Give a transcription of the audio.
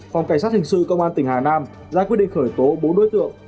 phòng cảnh sát hình sự công an tỉnh hà nam ra quyết định khởi tố bốn đối tượng